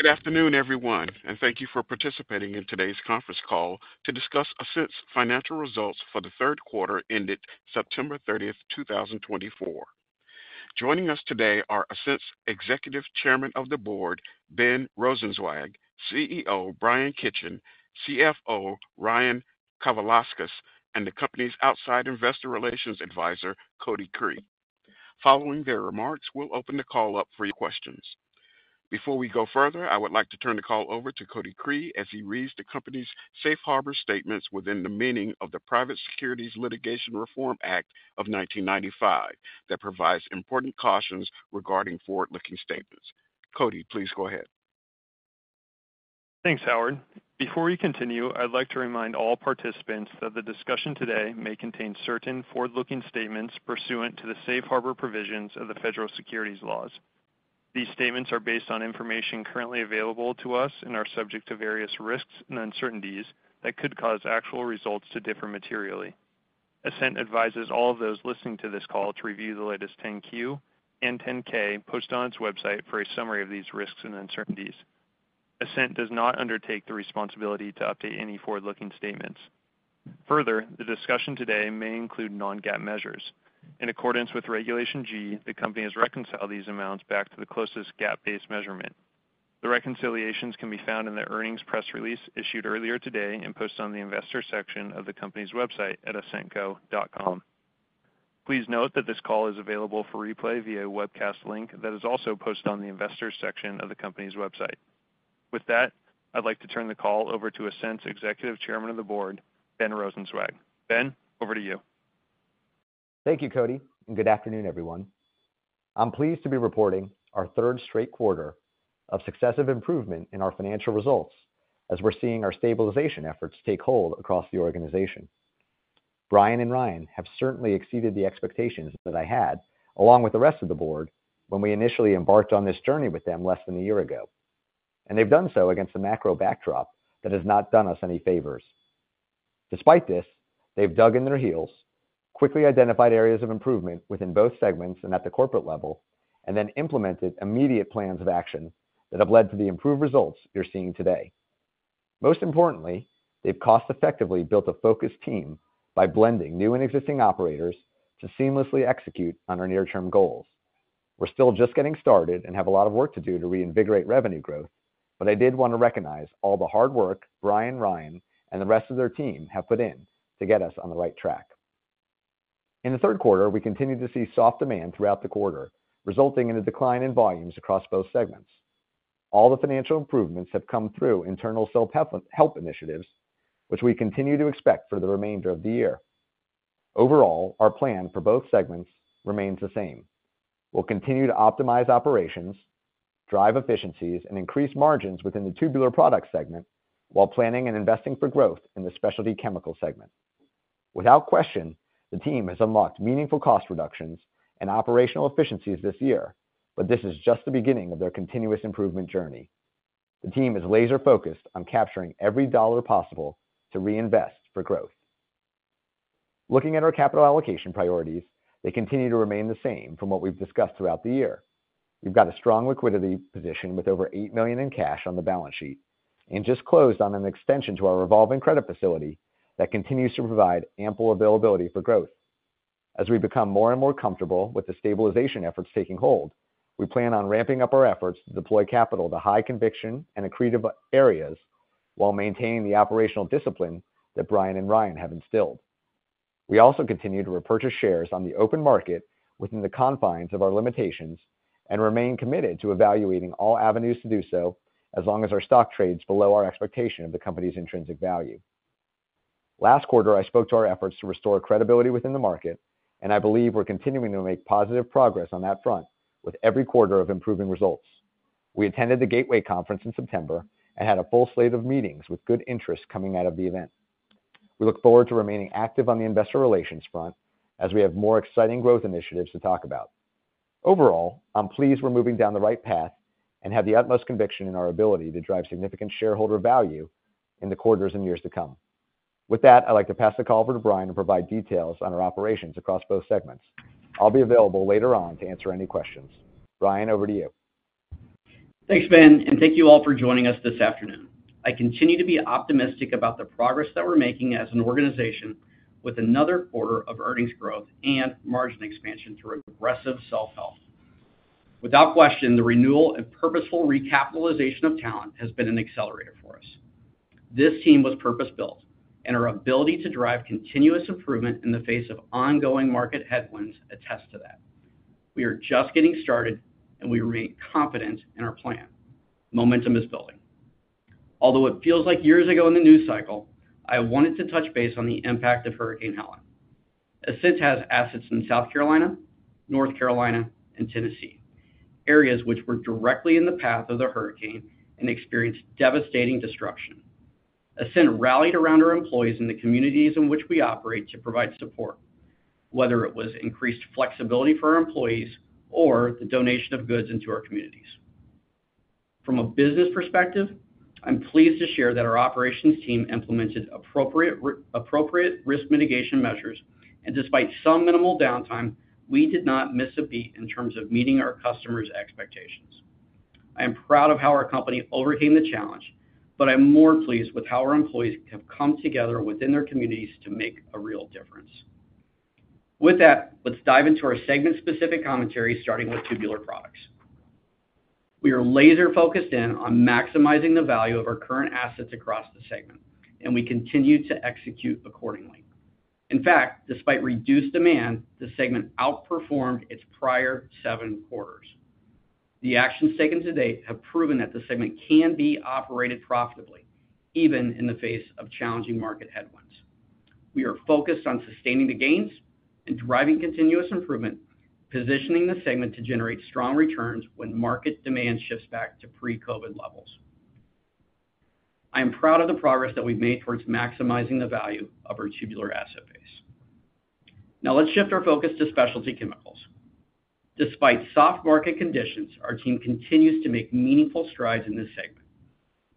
Good afternoon, everyone, and thank you for participating in today's conference call to discuss Ascent's financial results for the third quarter ended September 30, 2024. Joining us today are Ascent's Executive Chairman of the Board, Ben Rosenzweig, CEO, Bryan Kitchen, CFO, Ryan Kavalauskas, and the company's outside investor relations advisor, Cody Cree. Following their remarks, we'll open the call up for your questions. Before we go further, I would like to turn the call over to Cody Cree as he reads the company's safe harbor statements within the meaning of the Private Securities Litigation Reform Act of 1995 that provides important cautions regarding forward-looking statements. Cody, please go ahead. Thanks, Howard. Before we continue, I'd like to remind all participants that the discussion today may contain certain forward-looking statements pursuant to the safe harbor provisions of the federal securities laws. These statements are based on information currently available to us and are subject to various risks and uncertainties that could cause actual results to differ materially. Ascent advises all of those listening to this call to review the latest 10-Q and 10-K posted on its website for a summary of these risks and uncertainties. Ascent does not undertake the responsibility to update any forward-looking statements. Further, the discussion today may include non-GAAP measures. In accordance with Regulation G, the company has reconciled these amounts back to the closest GAAP-based measurement. The reconciliations can be found in the earnings press release issued earlier today and posted on the investor section of the company's website at ascentco.com. Please note that this call is available for replay via a webcast link that is also posted on the investor section of the company's website. With that, I'd like to turn the call over to Ascent's Executive Chairman of the Board, Ben Rosenzweig. Ben, over to you. Thank you, Cody, and good afternoon, everyone. I'm pleased to be reporting our third straight quarter of successive improvement in our financial results as we're seeing our stabilization efforts take hold across the organization. Bryan and Ryan have certainly exceeded the expectations that I had, along with the rest of the board, when we initially embarked on this journey with them less than a year ago, and they've done so against a macro backdrop that has not done us any favors. Despite this, they've dug in their heels, quickly identified areas of improvement within both segments and at the corporate level, and then implemented immediate plans of action that have led to the improved results you're seeing today. Most importantly, they've cost-effectively built a focused team by blending new and existing operators to seamlessly execute on our near-term goals. We're still just getting started and have a lot of work to do to reinvigorate revenue growth, but I did want to recognize all the hard work Bryan, Ryan, and the rest of their team have put in to get us on the right track. In the third quarter, we continue to see soft demand throughout the quarter, resulting in a decline in volumes across both segments. All the financial improvements have come through internal self-help initiatives, which we continue to expect for the remainder of the year. Overall, our plan for both segments remains the same. We'll continue to optimize operations, drive efficiencies, and increase margins within the tubular product segment while planning and investing for growth in the specialty chemical segment. Without question, the team has unlocked meaningful cost reductions and operational efficiencies this year, but this is just the beginning of their continuous improvement journey. The team is laser-focused on capturing every dollar possible to reinvest for growth. Looking at our capital allocation priorities, they continue to remain the same from what we've discussed throughout the year. We've got a strong liquidity position with over $8 million in cash on the balance sheet and just closed on an extension to our revolving credit facility that continues to provide ample availability for growth. As we become more and more comfortable with the stabilization efforts taking hold, we plan on ramping up our efforts to deploy capital to high-conviction and accretive areas while maintaining the operational discipline that Bryan and Ryan have instilled. We also continue to repurchase shares on the open market within the confines of our limitations and remain committed to evaluating all avenues to do so as long as our stock trades below our expectation of the company's intrinsic value. Last quarter, I spoke to our efforts to restore credibility within the market, and I believe we're continuing to make positive progress on that front with every quarter of improving results. We attended the Gateway Conference in September and had a full slate of meetings with good interest coming out of the event. We look forward to remaining active on the investor relations front as we have more exciting growth initiatives to talk about. Overall, I'm pleased we're moving down the right path and have the utmost conviction in our ability to drive significant shareholder value in the quarters and years to come. With that, I'd like to pass the call over to Bryan to provide details on our operations across both segments. I'll be available later on to answer any questions. Bryan, over to you. Thanks, Ben, and thank you all for joining us this afternoon. I continue to be optimistic about the progress that we're making as an organization with another quarter of earnings growth and margin expansion through aggressive self-help. Without question, the renewal and purposeful recapitalization of talent has been an accelerator for us. This team was purpose-built, and our ability to drive continuous improvement in the face of ongoing market headwinds attests to that. We are just getting started, and we remain confident in our plan. Momentum is building. Although it feels like years ago in the news cycle, I wanted to touch base on the impact of Hurricane Helene. Ascent has assets in South Carolina, North Carolina, and Tennessee, areas which were directly in the path of the hurricane and experienced devastating destruction. Ascent rallied around our employees in the communities in which we operate to provide support, whether it was increased flexibility for our employees or the donation of goods into our communities. From a business perspective, I'm pleased to share that our operations team implemented appropriate risk mitigation measures, and despite some minimal downtime, we did not miss a beat in terms of meeting our customers' expectations. I am proud of how our company overcame the challenge, but I'm more pleased with how our employees have come together within their communities to make a real difference. With that, let's dive into our segment-specific commentary, starting with tubular products. We are laser-focused in on maximizing the value of our current assets across the segment, and we continue to execute accordingly. In fact, despite reduced demand, the segment outperformed its prior seven quarters. The actions taken to date have proven that the segment can be operated profitably, even in the face of challenging market headwinds. We are focused on sustaining the gains and driving continuous improvement, positioning the segment to generate strong returns when market demand shifts back to pre-COVID levels. I am proud of the progress that we've made towards maximizing the value of our tubular asset base. Now, let's shift our focus to specialty chemicals. Despite soft market conditions, our team continues to make meaningful strides in this segment.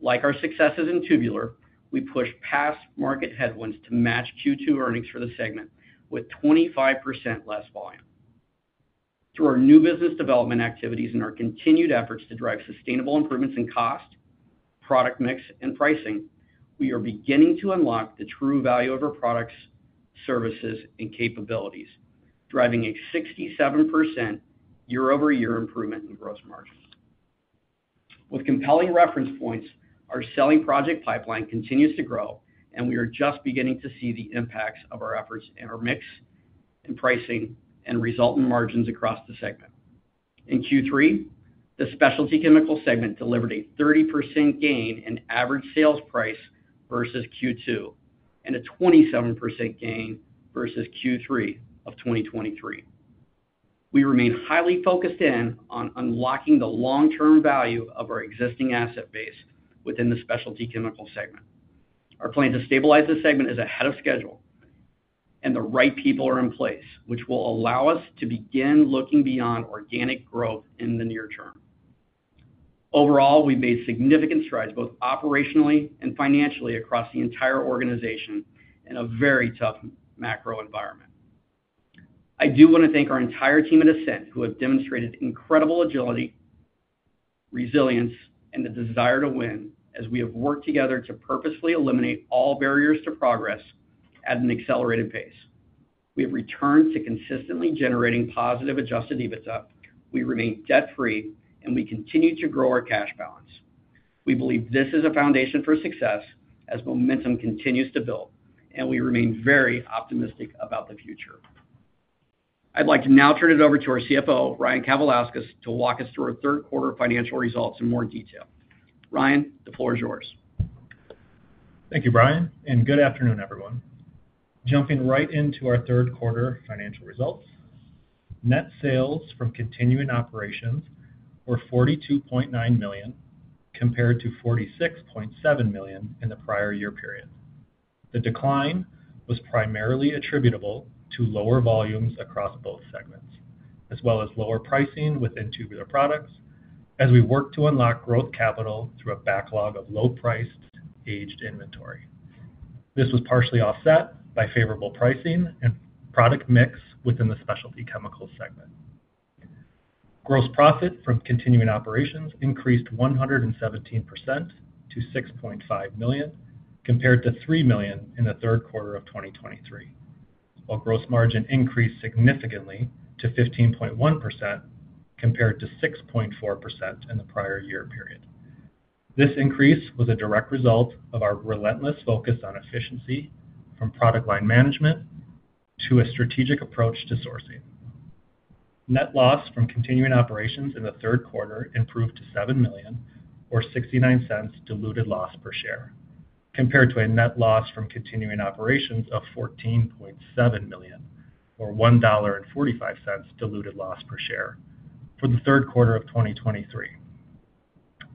Like our successes in tubular, we push past market headwinds to match Q2 earnings for the segment with 25% less volume. Through our new business development activities and our continued efforts to drive sustainable improvements in cost, product mix, and pricing, we are beginning to unlock the true value of our products, services, and capabilities, driving a 67% year-over-year improvement in gross margins. With compelling reference points, our selling project pipeline continues to grow, and we are just beginning to see the impacts of our efforts in our mix and pricing and resultant margins across the segment. In Q3, the specialty chemical segment delivered a 30% gain in average sales price versus Q2 and a 27% gain versus Q3 of 2023. We remain highly focused in on unlocking the long-term value of our existing asset base within the specialty chemical segment. Our plan to stabilize the segment is ahead of schedule, and the right people are in place, which will allow us to begin looking beyond organic growth in the near term. Overall, we've made significant strides both operationally and financially across the entire organization in a very tough macro environment. I do want to thank our entire team at Ascent who have demonstrated incredible agility, resilience, and the desire to win as we have worked together to purposely eliminate all barriers to progress at an accelerated pace. We have returned to consistently generating positive Adjusted EBITDA. We remain debt-free, and we continue to grow our cash balance. We believe this is a foundation for success as momentum continues to build, and we remain very optimistic about the future. I'd like to now turn it over to our CFO, Ryan Kavalauskas, to walk us through our third quarter financial results in more detail. Ryan, the floor is yours. Thank you, Bryan, and good afternoon, everyone. Jumping right into our third quarter financial results, net sales from continuing operations were $42.9 million compared to $46.7 million in the prior year period. The decline was primarily attributable to lower volumes across both segments, as well as lower pricing within tubular products as we worked to unlock growth capital through a backlog of low-priced, aged inventory. This was partially offset by favorable pricing and product mix within the specialty chemical segment. Gross profit from continuing operations increased 117% to $6.5 million compared to $3 million in the third quarter of 2023, while gross margin increased significantly to 15.1% compared to 6.4% in the prior year period. This increase was a direct result of our relentless focus on efficiency from product line management to a strategic approach to sourcing. Net loss from continuing operations in the third quarter improved to $7 million, or $0.69 diluted loss per share, compared to a net loss from continuing operations of $14.7 million, or $1.45 diluted loss per share for the third quarter of 2023.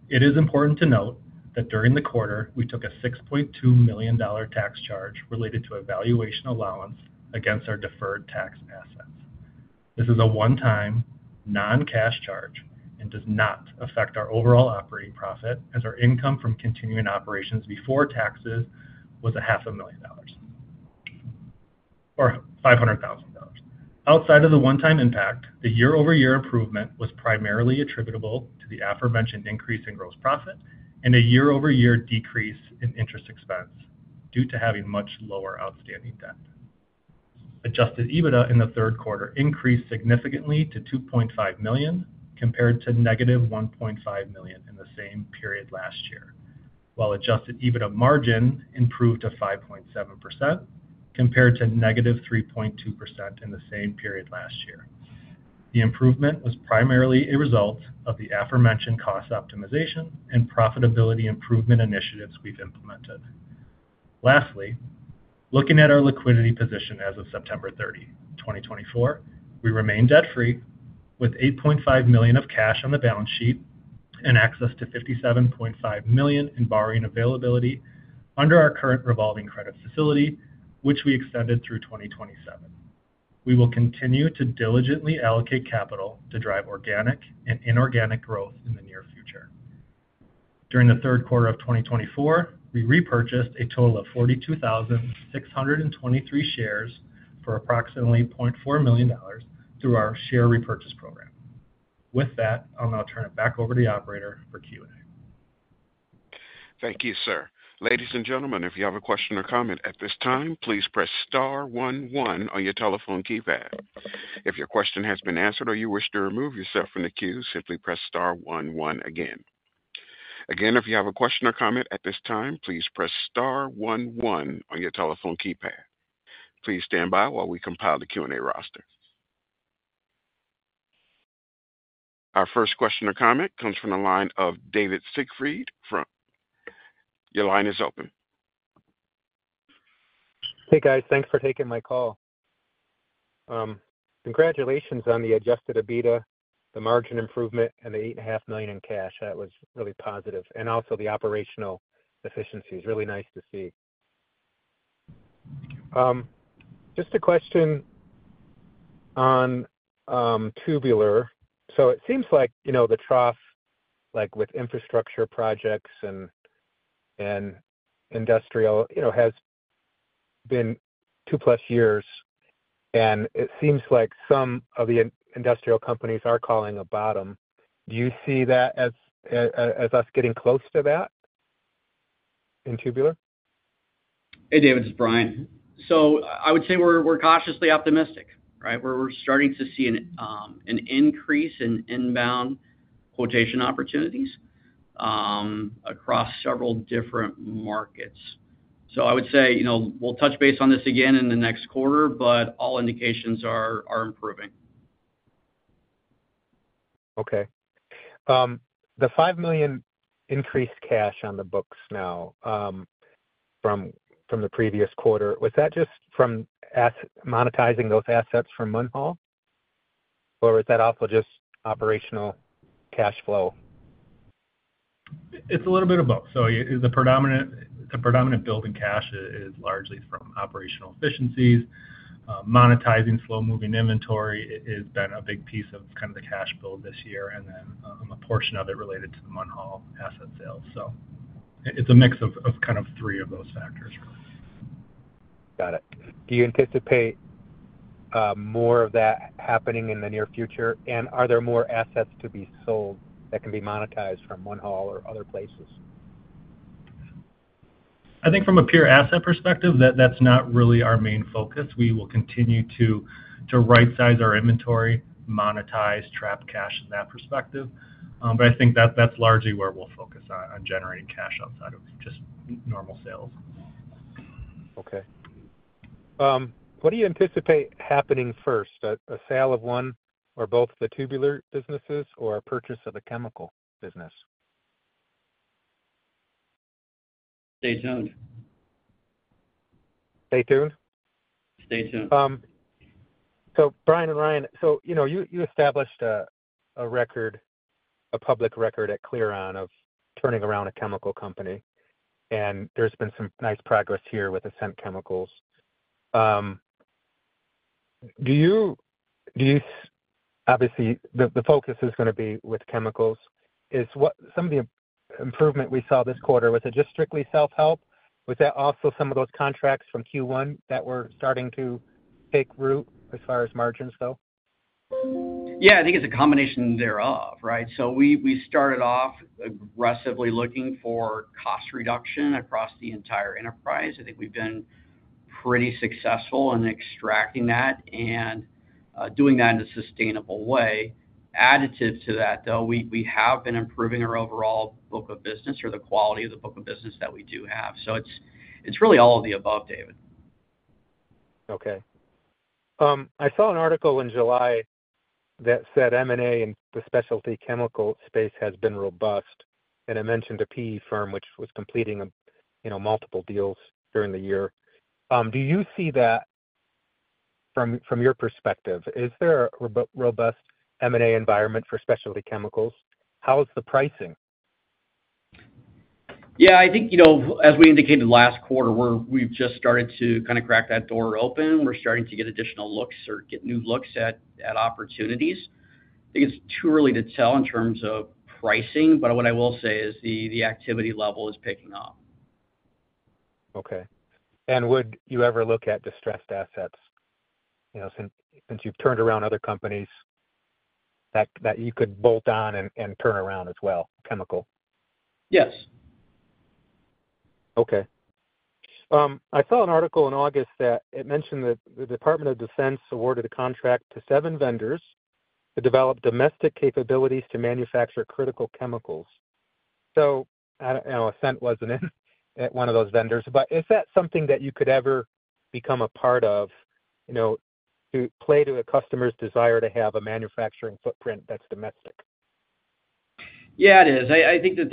It is important to note that during the quarter, we took a $6.2 million tax charge related to a valuation allowance against our deferred tax assets. This is a one-time non-cash charge and does not affect our overall operating profit, as our income from continuing operations before taxes was $500,000 or $500,000. Outside of the one-time impact, the year-over-year improvement was primarily attributable to the aforementioned increase in gross profit and a year-over-year decrease in interest expense due to having much lower outstanding debt. Adjusted EBITDA in the third quarter increased significantly to $2.5 million compared to -$1.5 million in the same period last year, while adjusted EBITDA margin improved to 5.7% compared to -3.2% in the same period last year. The improvement was primarily a result of the aforementioned cost optimization and profitability improvement initiatives we've implemented. Lastly, looking at our liquidity position as of September 30, 2024, we remain debt-free with $8.5 million of cash on the balance sheet and access to $57.5 million in borrowing availability under our current revolving credit facility, which we extended through 2027. We will continue to diligently allocate capital to drive organic and inorganic growth in the near future. During the third quarter of 2024, we repurchased a total of 42,623 shares for approximately $0.4 million through our share repurchase program. With that, I'll now turn it back over to the operator for Q&A. Thank you, sir. Ladies and gentlemen, if you have a question or comment at this time, please press star one one on your telephone keypad. If your question has been answered or you wish to remove yourself from the queue, simply press star one one again. Again, if you have a question or comment at this time, please press star one one on your telephone keypad. Please stand by while we compile the Q&A roster. Our first question or comment comes from the line of David Siegfried. Your line is open. Hey, guys. Thanks for taking my call. Congratulations on the Adjusted EBITDA, the margin improvement, and the $8.5 million in cash. That was really positive, and also the operational efficiency is really nice to see. Just a question on tubular so it seems like the trough with infrastructure projects and industrial has been 2+ years, and it seems like some of the industrial companies are calling a bottom. Do you see that as us getting close to that in tubular? Hey, David. This is Bryan. So I would say we're cautiously optimistic, right? We're starting to see an increase in inbound quotation opportunities across several different markets. So I would say we'll touch base on this again in the next quarter, but all indications are improving. Okay. The $5 million increased cash on the books now from the previous quarter, was that just from monetizing those assets from Munhall, or was that also just operational cash flow? It's a little bit of both. So the predominant build in cash is largely from operational efficiencies. Monetizing slow-moving inventory has been a big piece of kind of the cash build this year, and then a portion of it related to the Munhall asset sales. So it's a mix of kind of three of those factors, really. Got it. Do you anticipate more of that happening in the near future? And are there more assets to be sold that can be monetized from Munhall or other places? I think from a pure asset perspective, that's not really our main focus. We will continue to right-size our inventory, monetize, trapped cash in that perspective. But I think that's largely where we'll focus on generating cash outside of just normal sales. Okay. What do you anticipate happening first? A sale of one or both of the tubular businesses or a purchase of the chemical business? Stay tuned. Stay tuned? Stay tuned. So Bryan and Ryan, so you established a record, a public record at Clearon of turning around a chemical company, and there's been some nice progress here with Ascent Chemicals. Obviously, the focus is going to be with chemicals. Some of the improvement we saw this quarter, was it just strictly self-help? Was that also some of those contracts from Q1 that were starting to take root as far as margins, though? Yeah, I think it's a combination thereof, right? So we started off aggressively looking for cost reduction across the entire enterprise. I think we've been pretty successful in extracting that and doing that in a sustainable way. Additive to that, though, we have been improving our overall book of business or the quality of the book of business that we do have. So it's really all of the above, David. Okay. I saw an article in July that said M&A in the specialty chemical space has been robust, and it mentioned a PE firm which was completing multiple deals during the year. Do you see that from your perspective? Is there a robust M&A environment for specialty chemicals? How is the pricing? Yeah, I think as we indicated last quarter, we've just started to kind of crack that door open. We're starting to get additional looks or get new looks at opportunities. I think it's too early to tell in terms of pricing, but what I will say is the activity level is picking up. Okay. And would you ever look at distressed assets since you've turned around other companies that you could bolt on and turn around as well, chemical? Yes. Okay. I saw an article in August that it mentioned that the Department of Defense awarded a contract to seven vendors to develop domestic capabilities to manufacture critical chemicals. So Ascent wasn't one of those vendors, but is that something that you could ever become a part of to play to a customer's desire to have a manufacturing footprint that's domestic? Yeah, it is. I think that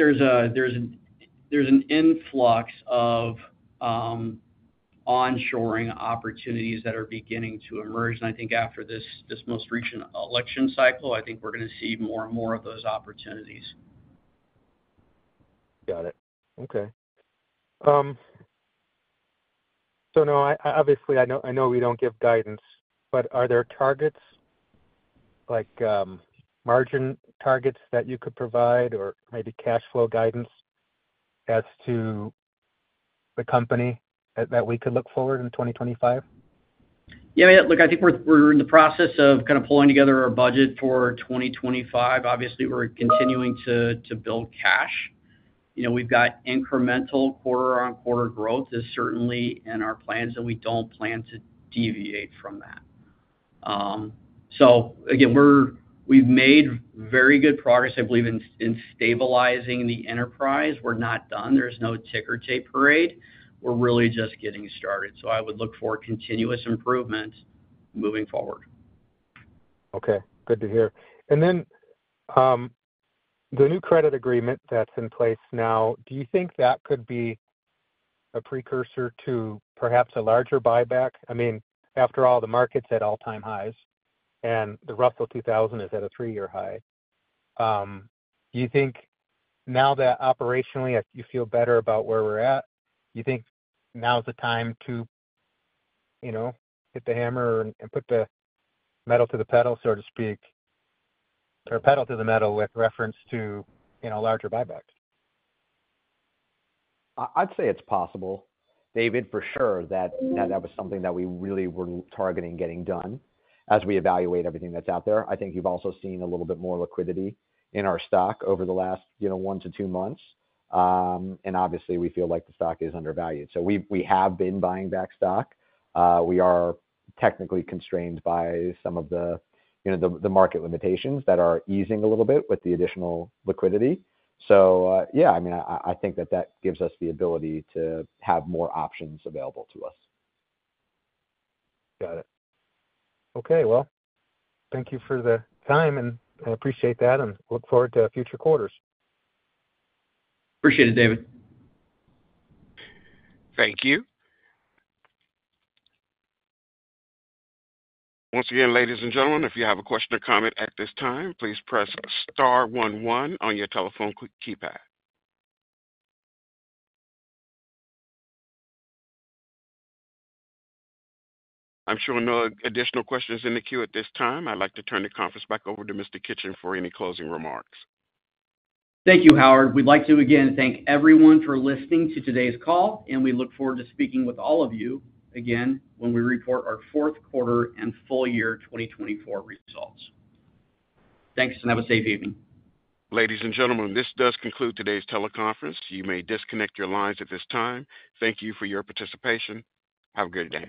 there's an influx of onshoring opportunities that are beginning to emerge, and I think after this most recent election cycle, I think we're going to see more and more of those opportunities. Got it. Okay. So no, obviously, I know we don't give guidance, but are there targets, like margin targets that you could provide or maybe cash flow guidance as to the company that we could look forward in 2025? Yeah, look, I think we're in the process of kind of pulling together our budget for 2025. Obviously, we're continuing to build cash. We've got incremental quarter-on-quarter growth is certainly in our plans, and we don't plan to deviate from that. So again, we've made very good progress, I believe, in stabilizing the enterprise. We're not done. There's no ticker tape parade. We're really just getting started. So I would look for continuous improvement moving forward. Okay. Good to hear. And then the new credit agreement that's in place now, do you think that could be a precursor to perhaps a larger buyback? I mean, after all, the market's at all-time highs, and the Russell 2000 is at a three-year high. Do you think now that operationally you feel better about where we're at, you think now's the time to hit the hammer and put the metal to the pedal, so to speak, or pedal to the metal with reference to larger buybacks? I'd say it's possible, David, for sure, that that was something that we really were targeting getting done as we evaluate everything that's out there. I think you've also seen a little bit more liquidity in our stock over the last one to two months. And obviously, we feel like the stock is undervalued. So we have been buying back stock. We are technically constrained by some of the market limitations that are easing a little bit with the additional liquidity. So yeah, I mean, I think that that gives us the ability to have more options available to us. Got it. Okay. Well, thank you for the time, and I appreciate that, and look forward to future quarters. Appreciate it, David. Thank you. Once again, ladies and gentlemen, if you have a question or comment at this time, please press star 11 on your telephone keypad. I'm sure no additional questions in the queue at this time. I'd like to turn the conference back over to Mr. Kitchen for any closing remarks. Thank you, Howard. We'd like to, again, thank everyone for listening to today's call, and we look forward to speaking with all of you again when we report our fourth quarter and full year 2024 results. Thanks, and have a safe evening. Ladies and gentlemen, this does conclude today's teleconference. You may disconnect your lines at this time. Thank you for your participation. Have a good day.